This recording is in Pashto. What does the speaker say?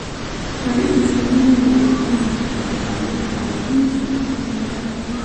فرعي سیسټمونه یې د برېښنا سیسټم او د کالیو تاوولو سیسټم څخه عبارت دي.